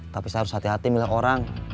tapi saya harus hati hati milih orang